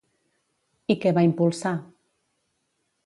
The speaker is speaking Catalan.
I què va impulsar?